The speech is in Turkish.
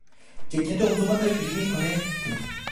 Ceketi omuzuma atarak yüzümü yıkamaya gittim…